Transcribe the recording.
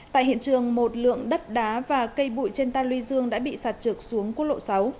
tại hiện trường một lượng đất đá và cây bụi trên ta lưu dương đã bị sạt trượt xuống quốc lộ sáu